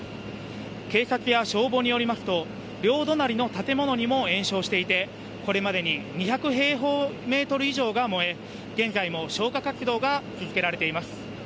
警察や消防によりますと、両隣の建物にも延焼していて、これまでに２００平方メートル以上が燃え、現在も消火活動が続けられています。